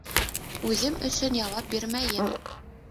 Үҙем өсөн яуап бирмәйем!